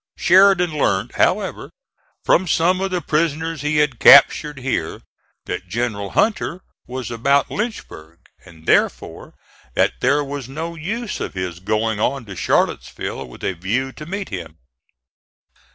Sheridan learned, however, from some of the prisoners he had captured here, that General Hunter was about Lynchburg, and therefore that there was no use of his going on to Charlottesville with a view to meet him.